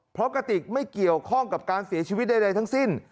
เพราะกระติกไม่เกี่ยวข้องกับการเสียชีวิตใดทั้งสิ้น